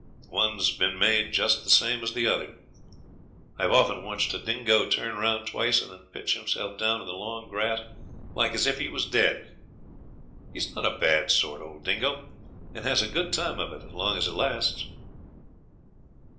One's been made just the same as the other. I've often watched a dingo turn round twice, and then pitch himself down in the long grass like as if he was dead. He's not a bad sort, old dingo, and has a good time of it as long as it lasts.'